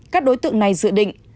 các đối tượng này dự định